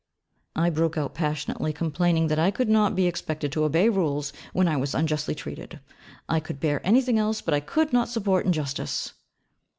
I broke out passionately complaining that I could not be expected to obey rules when I was unjustly treated: I could bear anything else, but I could not support injustice.